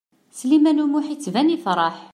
Sliman U Muḥ yettban yefṛeḥ.